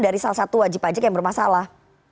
dari salah satu wajib pajak yang bermasalah